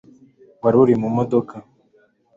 wari uri mu modoka